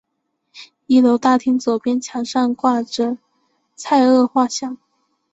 一楼大厅左边墙上挂着蔡锷画像。